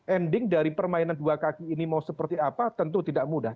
ending dari permainan dua kaki ini mau seperti apa tentu tidak mudah